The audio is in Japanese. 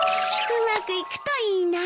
うまくいくといいな。